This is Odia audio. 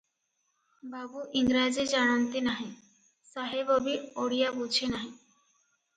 ବାବୁ ଇଂରାଜୀ ଜାଣନ୍ତି ନାହିଁ - ସାହେବ ବି ଓଡ଼ିଆ ବୁଝେ ନାହିଁ ।